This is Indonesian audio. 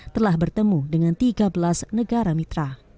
telah bertemu dengan tiga belas negara mitra